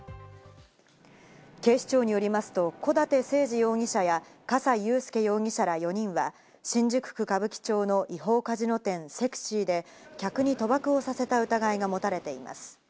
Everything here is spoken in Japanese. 警視庁によりますと、小舘誠治容疑者や葛西悠介容疑者容疑者ら４人は、新宿区歌舞伎町の違法カジノ店「ＳＥＸＹ」で客に賭博をさせた疑いが持たれています。